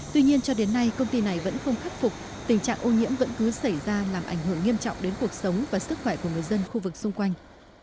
tuy nhiên cho đến nay công ty này vẫn không khắc phục tình trạng ô nhiễm vẫn cứ xảy ra làm ảnh hưởng nghiêm trọng đến cuộc sống và sức khỏe của người dân khu vực xung quanh